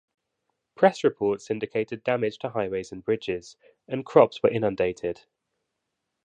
Press reports indicated damage to highways and bridges, and crops were inundated.